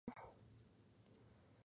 Ya fue extraído.